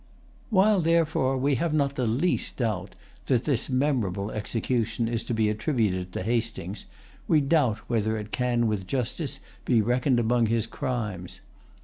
While, therefore, we have not the least doubt that this[Pg 158] memorable execution is to be attributed to Hastings, we doubt whether it can with justice be reckoned among his crimes.